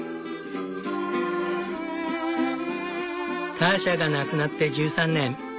ターシャが亡くなって１３年。